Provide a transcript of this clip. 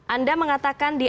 anda mengatakan diantaranya